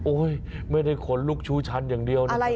ไม่ได้ขนลุกชูชันอย่างเดียวนะ